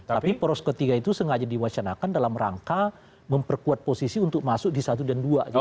tapi poros ketiga itu sengaja diwacanakan dalam rangka memperkuat posisi untuk masuk di satu dan dua